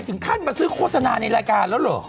ถึงขั้นมาซื้อโฆษณาในรายการแล้วเหรอ